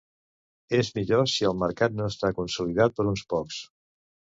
És millor si el mercat no està consolidat per uns pocs.